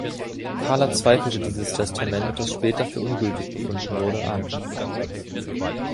Karla zweifelte dieses Testament, das später für ungültig befunden wurde, an.